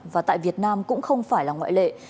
và tại việt nam cũng không phải là ngoại lệ